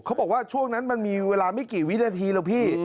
เขาบอกว่าช่วงนั้นมันมีเวลาไม่กี่วินาทีหรอกพี่